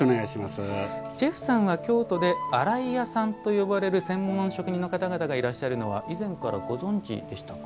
ジェフさんは京都で洗い屋さんと呼ばれる専門の職人の方々がいらっしゃることは以前からご存じでしたか。